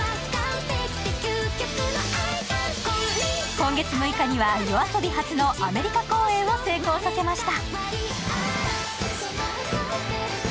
今月６日にはＹＯＡＳＯＢＩ初のアメリカ公演を成功させました。